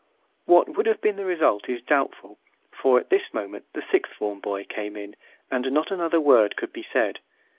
What would have been the result is doubtful, for at this moment the sixth form boy came in, and not another word could be said.